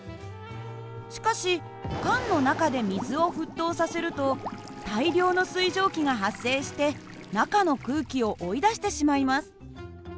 しかし缶の中で水を沸騰させると大量の水蒸気が発生して中の空気を追い出してしまいます。